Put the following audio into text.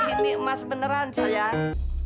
ini emas beneran sayang